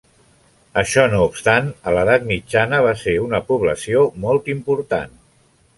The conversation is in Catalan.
Això no obstant, a l'edat mitjana va ser una població molt important.